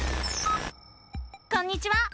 こんにちは！